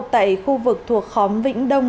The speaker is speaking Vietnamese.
tại khu vực thuộc khóm vĩnh đông